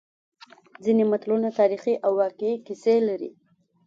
ځینې متلونه تاریخي او واقعي کیسې لري